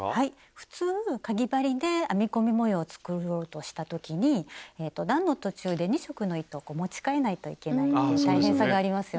普通かぎ針で編み込み模様を作ろうとした時に段の途中で２色の糸をこう持ちかえないといけないという大変さがありますよね。